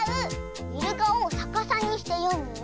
イルカをさかさにしてよむの。